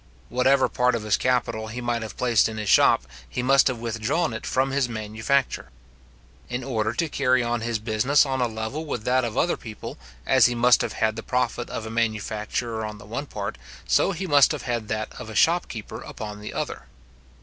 Whatever part of his capital he might have placed in his shop, he must have withdrawn it from his manufacture. In order to carry on his business on a level with that of other people, as he must have had the profit of a manufacturer on the one part, so he must have had that of a shopkeeper upon the other.